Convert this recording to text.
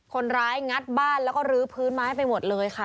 คนร้ายงัดบ้านแล้วก็ลื้อพื้นมาให้ไปหมดเลยค่ะ